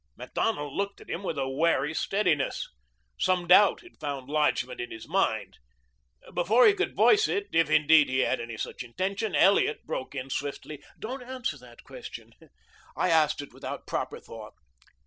Macdonald looked at him with a wary steadiness. Some doubt had found lodgment in his mind. Before he could voice it, if, indeed, he had any such intention, Elliot broke in swiftly, "Don't answer that question. I asked it without proper thought.